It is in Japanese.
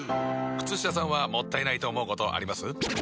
靴下さんはもったいないと思うことあります？